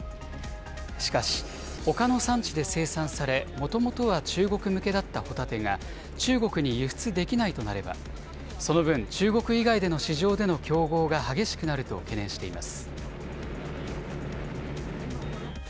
しかし、ほかの産地で生産され、もともとは中国向けだったホタテが、中国に輸出できないとなれば、その分、中国以外での市場での競合が激しくなると懸念しています。